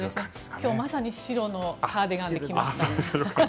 今日、まさに白のカーディガンで来ました。